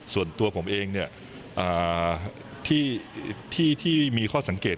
ส่วนตัวผมเองที่มีข้อสังเกต